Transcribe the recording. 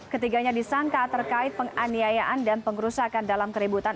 ketiganya disangka terkait penganiayaan dan pengerusakan dalam keributan